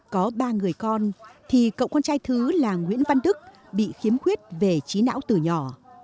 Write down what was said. có ba người con thì cậu con trai thứ là nguyễn văn đức bị khiếm khuyết về trí não từ nhỏ